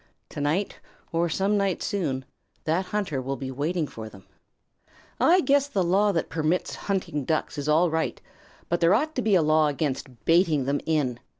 To night, or some night soon, that hunter will be waiting for them. "I guess the law that permits hunting Ducks is all right, but there ought to be a law against baiting them in.